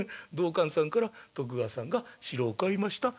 道灌さんから徳川さんが城を買いました。